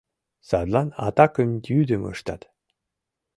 Садлан атакым йӱдым ыштат.